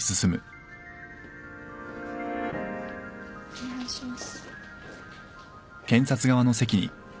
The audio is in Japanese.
お願いします。